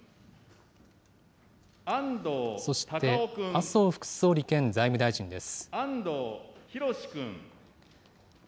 そして、麻生副総理兼財務大臣です。